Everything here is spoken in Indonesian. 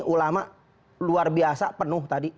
ulama luar biasa penuh